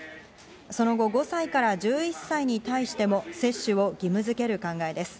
その後、５歳から１１歳に対しても接種を義務づける考えです。